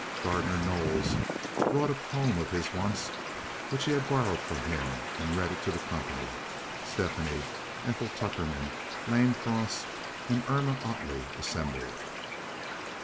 Gardner Knowles brought a poem of his once, which he had borrowed from him, and read it to the company, Stephanie, Ethel Tuckerman, Lane Cross, and Irma Ottley assembled.